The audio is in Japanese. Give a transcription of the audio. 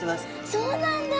そうなんだ。